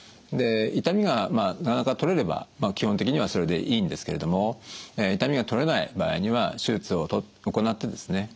痛みが取れれば基本的にはそれでいいんですけれども痛みが取れない場合には手術を行ってですね